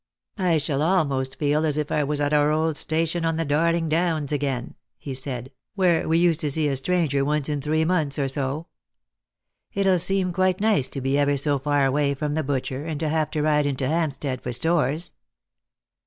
" I shall almost feel as if I was at our old station on the Darling Downs again," he said, " where we used to see a stranger once in three months or so. It'll seem quite nice to be ever so far away from the butcher, and to have to ride into Hampstead for stores."